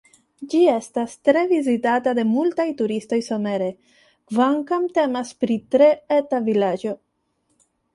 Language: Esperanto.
Ĝi estas tre vizitata de multaj turistoj somere, kvankam temas pri tre eta vilaĝo.